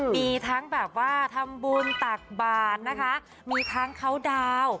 มีทั้งแบบว่าทำบุญตักบาทนะคะมีทั้งเขาดาวน์